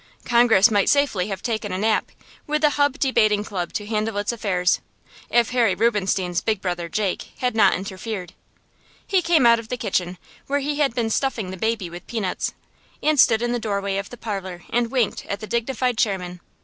Congress might safely have taken a nap, with the Hub Debating Club to handle its affairs, if Harry Rubinstein's big brother Jake had not interfered. He came out of the kitchen, where he had been stuffing the baby with peanuts, and stood in the doorway of the parlor and winked at the dignified chairman.